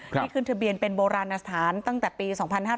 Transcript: ที่ขึ้นทะเบียนเป็นโบราณสถานตั้งแต่ปี๒๕๕๙